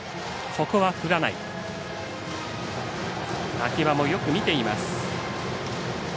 秋葉もよく見ています。